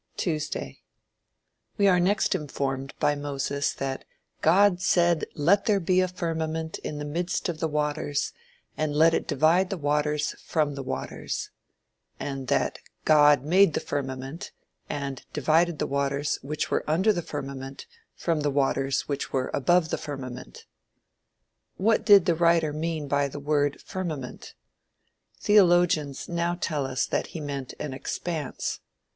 TUESDAY We are next informed by Moses that "God said Let there be a firmament in the midst of the waters, and let it divide the waters from the waters;" and that "God made the firmament, and divided the waters which were under the firmament from the waters which were above the firmament." What did the writer mean by the word firmament? Theologians now tell us that he meant an "expanse."